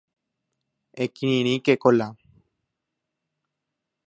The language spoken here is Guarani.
Ekirirĩke Kola